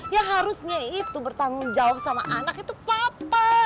ya harusnya itu bertanggung jawab sama anak itu papa